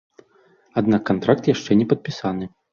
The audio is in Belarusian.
Аднак кантракт яшчэ не падпісаны.